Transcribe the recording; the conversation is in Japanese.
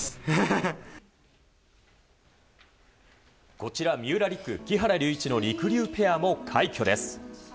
こちら三浦璃来、木原龍一のりくりゅうペアも快挙です。